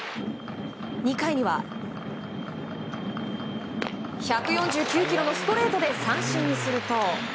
２回には１４９キロのストレートで三振にすると。